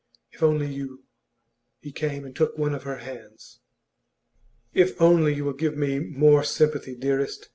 If only you ' He came and took one of her hands. 'If only you will give me more sympathy, dearest.